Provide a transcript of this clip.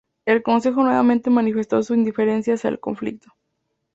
El concejo nuevamente manifestó su indiferencia hacia el conflicto.